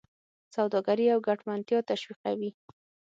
سوداګري او ګټمنتیا تشویقوي.